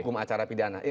hukum acara pidana